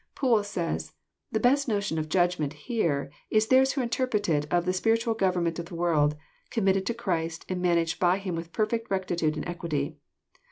Poole says: "The best notion of * judgment * here is theirs who interpret it of the spiritual government of the world, com mitted to Christ, and managed by Him with perfect rectitude and equity.